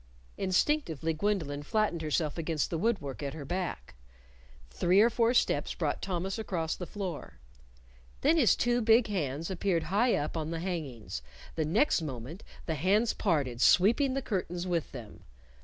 Instinctively Gwendolyn flattened herself against the wood work at her back. Three or four steps brought Thomas across the floor. Then his two big hands appeared high up on the hangings. The next moment, the hands parted, sweeping the curtains with them.